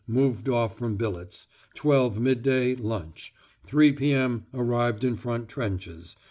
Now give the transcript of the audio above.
Moved off from billets. 12.0 midday. Lunch. 3.0 p.m. Arrived in front trenches.